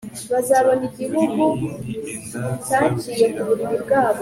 nzakugurira iyindi, enda garukira aho